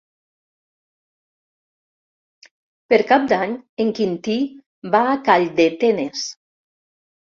Per Cap d'Any en Quintí va a Calldetenes.